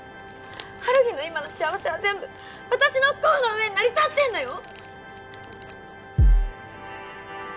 ハルヒの今の幸せは全部私の不幸の上に成り立ってんだよ！